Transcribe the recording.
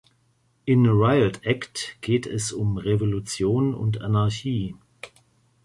In „Riot Act“ geht es um Revolution und Anarchie.